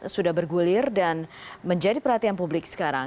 sudah bergulir dan menjadi perhatian publik sekarang